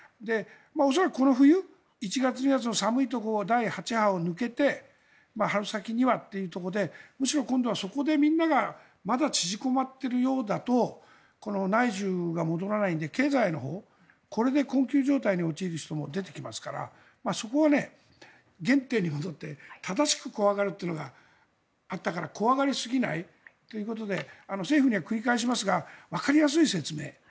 恐らくこの冬１月、２月の寒いところ第８波を抜けて春先にはというところでむしろ今度はそこでみんながまだ縮こまっているようだと内需が戻らないので経済のほうこれで困窮状態に陥る人も出てきますからそこは原点に戻って正しく怖がるというのがあったから怖がり過ぎないということで政府には繰り返しますがわかりやすい説明